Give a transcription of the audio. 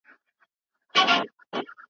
شنه دودونه به دې خیژی تر اسمانه له کورونو